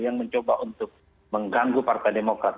yang mencoba untuk mengganggu partai demokrat